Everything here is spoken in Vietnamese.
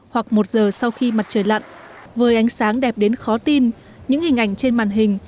hoặc một giờ sau khi mặt trời lặn với ánh sáng đẹp đến khó tin những hình ảnh trên màn hình